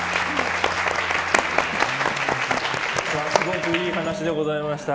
すごくいい話でございました。